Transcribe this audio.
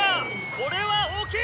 これは大きい！」